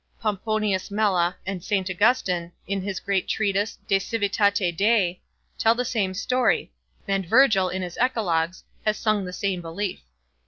Pliny, Pomponius Mela, and St. Augustin, in his great treatise, De Civitate Dei, tell the same story, and Virgil, in his Eclogues, has sung the same belief.